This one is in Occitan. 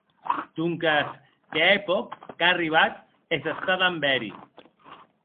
Donques que hè pòc qu'a arribat e s'està damb eri.